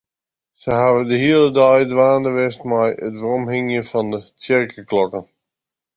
Se hawwe de hiele dei dwaande west mei it weromhingjen fan de tsjerkeklokken.